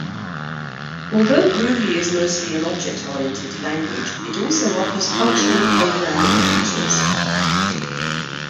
Although Groovy is mostly an object-oriented language, it also offers functional programming features.